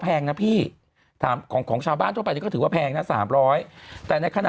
แพงนะพี่ถามของของชาวบ้านทั่วไปนี่ก็ถือว่าแพงนะ๓๐๐แต่ในขณะ